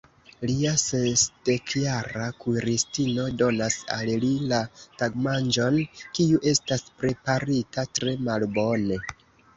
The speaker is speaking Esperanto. Lia sesdekjara kuiristino donas al li la tagmanĝon, kiu estas preparita tre malbone.